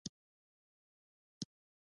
د پله غوندې د هر چا تر قدمونو لاندې بستر غواړي.